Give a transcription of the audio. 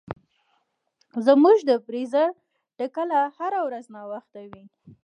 زموږ د بریځر ټکله هره ورځ ناوخته وي.